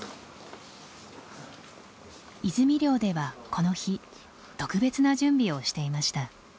泉寮ではこの日特別な準備をしていました。